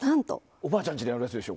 おばあちゃんの家にあるやつでしょ？